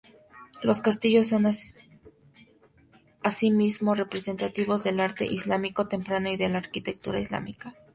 Los castillos son asimismo representativos del arte islámico temprano y de la arquitectura islámica.